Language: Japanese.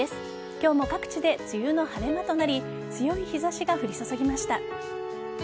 今日も各地で梅雨の晴れ間となり強い日差しが降り注ぎました。